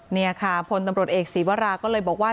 นี่ค่ะพลตำรวจเอกศีวราก็เลยบอกว่า